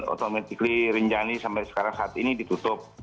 otomatically rinjani sampai sekarang saat ini ditutup